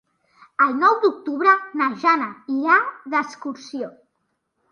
El nou d'octubre na Jana irà d'excursió.